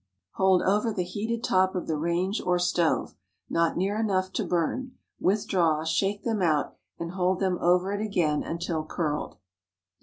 Hold over the heated top of the range or stove, not near enough to burn; withdraw, shake them out, and hold them over it again until curled.